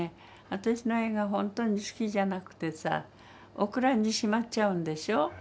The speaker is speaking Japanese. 私の絵が本当に好きじゃなくてさお蔵にしまっちゃうんでしょ。